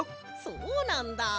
そうなんだ。